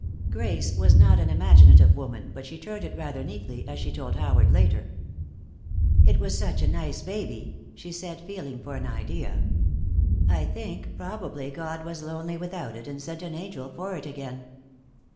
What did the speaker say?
Grace was not an imaginative woman, but she turned it rather neatly, as she told Howard later. "It was such a nice baby," she said, feeling for an idea. "I think probably God was lonely without it, and sent an angel for it again."